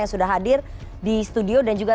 yang sudah hadir di studio dan juga